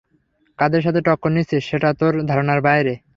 কাদের সাথে টক্কর নিচ্ছিস সেটা তোর ধারণার বাইরে।